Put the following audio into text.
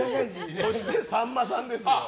そして、さんまさんですよ。